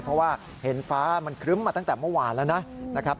เพราะว่าเห็นฟ้ามันครึ้มมาตั้งแต่เมื่อวานแล้วนะครับ